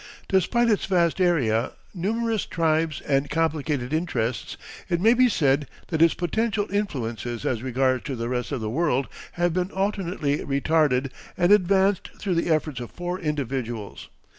Despite its vast area, numerous tribes, and complicated interests it may be said that its potential influences as regards the rest of the world have been alternately retarded and advanced through the efforts of four individuals.